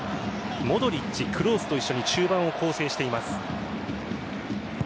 モドリッチ、クロースと一緒に中盤を構成しています。